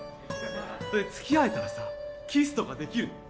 つきあえたらさキスとかできるの？